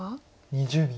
２０秒。